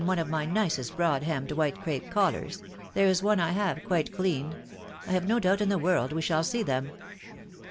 one of my nicest* bwad hemmed while crape cottars «„~~ there: is* one I have quite clean .... I hew no doubt in the weald weahall •see them.